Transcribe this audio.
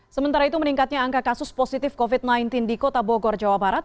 sementara itu meningkatnya angka kasus positif covid sembilan belas di kota bogor jawa barat